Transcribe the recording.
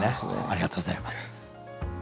ありがとうございます。